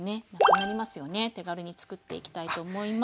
手軽に作っていきたいと思います。